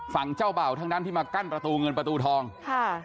ฝั่งเจ้าเบ่าทั้งนั้นที่มากั้นประตูเงินประตูทองค่ะ